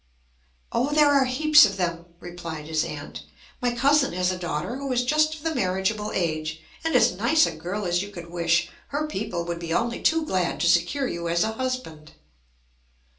"Oh! there are heaps of them," replied his aunt. "My cousin has a daughter who is just of the marriageable age, and as nice a girl as you could wish. Her people would be only too glad to secure you as a husband."